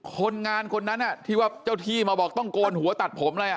คนงานคนนั้นที่ว่าเจ้าที่มาบอกต้องโกนหัวตัดผมเลย